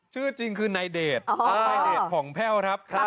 ชื่อจริงคือนายเดชนายเดชผ่องแพ่วครับ